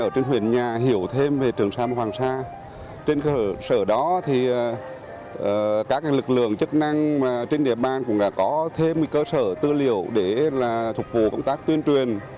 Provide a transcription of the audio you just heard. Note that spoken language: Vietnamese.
trên cơ sở đó các lực lượng chức năng trên địa bàn cũng có thêm cơ sở tư liệu để thục vụ công tác tuyên truyền